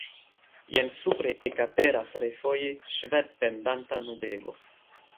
Jen supre ekaperas refoje ŝvebpendanta nubego.